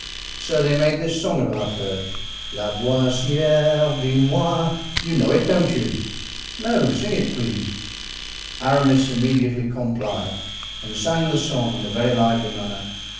So they made this song about her: 'Laboissiere, dis moi.' You know it, don't you?" "No, sing it, please." Aramis immediately complied, and sang the song in a very lively manner.